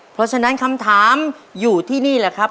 เพราะฉะนั้นคำถามอยู่ที่นี่แหละครับ